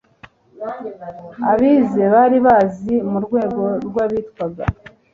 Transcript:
abize bari bari mu rwego rw'abitwaga